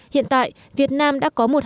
hiện tại việt nam đã có một hành trình